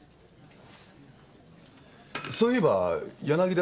そういえば柳田先生は？